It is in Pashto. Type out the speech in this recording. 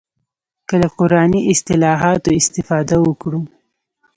که له قراني اصطلاحاتو استفاده وکړو.